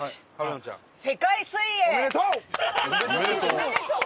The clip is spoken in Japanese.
「おめでとう」？